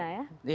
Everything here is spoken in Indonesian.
kayak rahasia ya